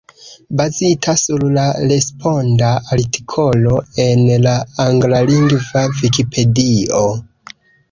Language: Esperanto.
Bazita sur la responda artikolo en la anglalingva Vikipedio.